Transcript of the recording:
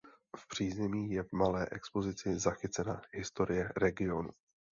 V přízemí je v malé expozici zachycena historie regionu.